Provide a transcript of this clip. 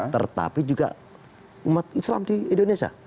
tetapi juga umat islam di indonesia